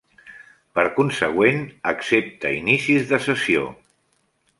Per consegüent, accepta inicis de sessió.